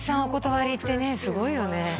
お断りってねすごいよね